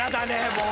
もう！